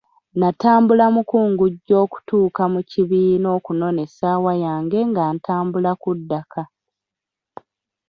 Natambula mukungujjo okutuuka mu kibiina okunona ensawo yange nga ntambula kudda ka.